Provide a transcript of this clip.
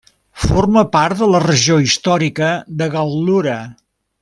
Forma part de la regió històrica de Gal·lura.